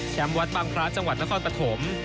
แชมป์วัดปังพระจังหวัดนครปฐม